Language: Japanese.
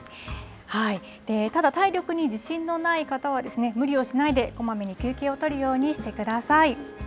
ただ体力に自信のない方は、無理をしないで、こまめに休憩を取るようにしてください。